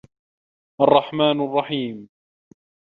الرحمان الرحيم